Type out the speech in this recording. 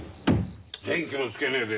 電気もつけねえで。